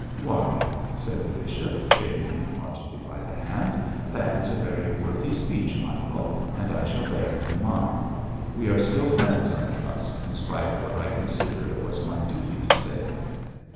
'Why,' said the bishop, shaking him heartily by the hand, 'that is a very worthy speech, Michael, and I shall bear it in mind. We are still friends, I trust, in spite of what I consider it was my duty to say.'